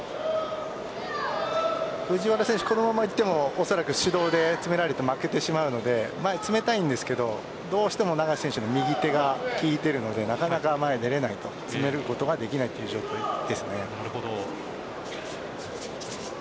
藤原選手、このまま行ってもおそらく指導で追い詰められて負けてしまうので前に詰めたいんですけどどうしても永瀬選手の右手が利いているのでなかなか前に出ないと詰めることができない状況ですね。